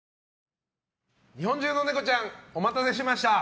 日本中のネコちゃんお待たせしました！